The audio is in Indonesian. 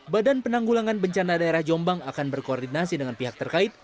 badan penanggulangan bencana daerah jombang akan berkoordinasi dengan pihak terkait